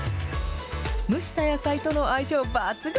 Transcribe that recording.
蒸した野菜との相性抜群。